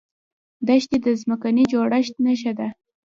دښتې د ځمکې د جوړښت نښه ده.